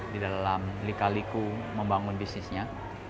di dalam lika liku membangun bisnisnya